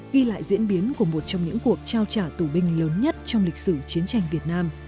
ghi lại diễn biến của một trong những cuộc trao trả tù binh lớn nhất trong lịch sử chiến tranh việt nam